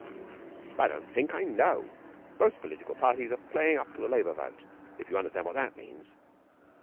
'I don't think. I know. Both political parties are playing up to the Labour vote if you understand what that means.'